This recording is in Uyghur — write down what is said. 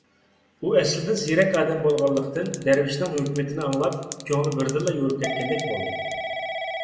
ئۇ ئەسلىدىن زېرەك ئادەم بولغانلىقتىن، دەرۋىشنىڭ ھۆكمىتىنى ئاڭلاپ، كۆڭلى بىردىنلا يورۇپ كەتكەندەك بولدى.